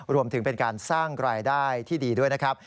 รวมถึงเป็นการสร้างรายได้ที่ดีด้วยนะครับ